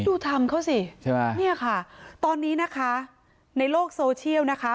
ดูทำเขาสินี่ค่ะตอนนี้นะคะในโลกโซเชียลนะคะ